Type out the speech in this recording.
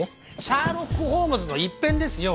シャーロック・ホームズの一編ですよ。